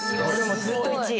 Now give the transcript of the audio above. ずっと１位。